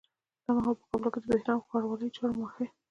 دا مهال په کابل کي د برېښنا او ښاروالۍ چارو ماهر